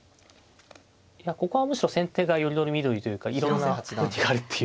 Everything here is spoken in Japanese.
ここはむしろ先手がより取り見取りというかいろんな筋があるっていう。